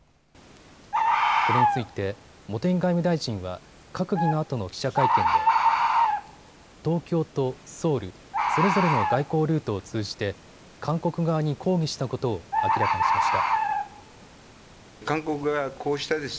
これについて茂木外務大臣は閣議のあとの記者会見で東京とソウル、それぞれの外交ルートを通じて韓国側に抗議したことを明らかにしました。